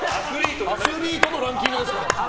アスリートのランキングですから。